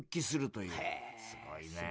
「すごいね」。